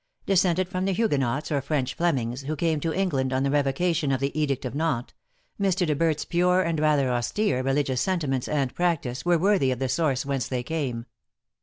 Descended from the Huguenots, or French Flemings, who came to England on the revocation of the Edict of Nantes, Mr. De Berdt's pure and rather austere religious sentiments and practice were worthy of the source whence they came.